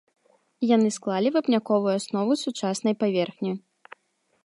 Яны склалі вапняковую аснову сучаснай паверхні.